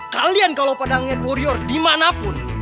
kalian kalau pada nge warrior dimanapun